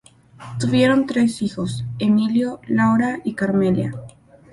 Tuvieron tres hijos: Emilio, Laura y Carmela.